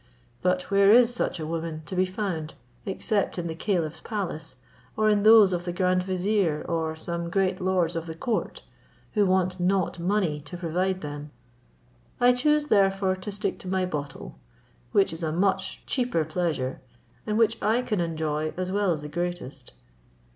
But where is such a woman to be found except in the caliph's palace, or in those of the grand vizier or some great lords of the court, who want not money to provide them? I choose therefore to stick to my bottle, which is a much cheaper pleasure, and which I can enjoy as well as the greatest."